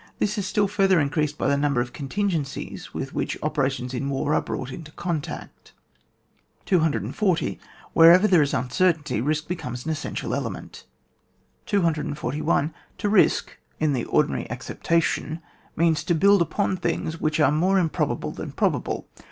This is still further increased by the number of contingencies with which operations in war are brought into con tact. 240. Wherever there is uncertainty, risk becomes an essential element. 241. To risk, in the ordinary accepta tion, means to build upon things which are more improbable than probable.